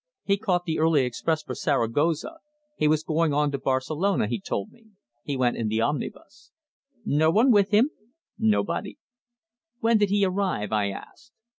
"He caught the early express for Zaragoza. He was going on to Barcelona, he told me. He went in the omnibus." "No one with him?" "Nobody." "When did he arrive?" I asked.